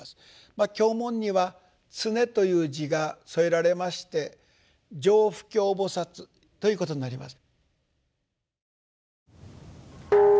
経文には「常」という字が添えられまして「常不軽菩薩」ということになります。